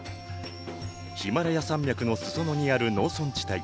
ヒマラヤ山脈の裾野にある農村地帯。